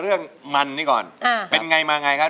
เพื่อจะไปชิงรางวัลเงินล้าน